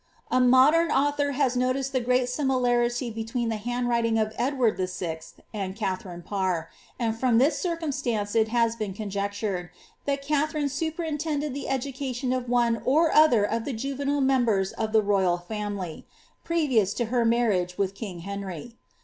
'" A modern author has noticed the great similarity between the hnnd wriiin^ iif Edward VI. and Katharine Parr, and from this ciiruinsiaucfl It bos been conjectured, thai Katharine superintended the educatinn of one or other of the juvenile members of the royal family, previous to hw marriHge with king Henry.